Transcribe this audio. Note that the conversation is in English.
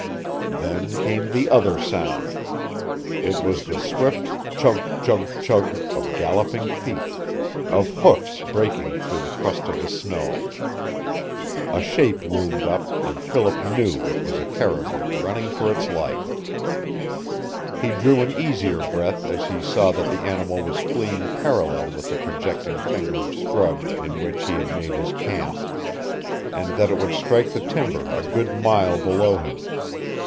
Then came the other sound. It was the swift chug, chug, chug of galloping feet of hoofs breaking through the crust of the snow. A shape loomed up, and Philip knew it was a caribou running for its life. He drew an easier breath as he saw that the animal was fleeing parallel with the projecting finger of scrub in which he had made his camp, and that it would strike the timber a good mile below him.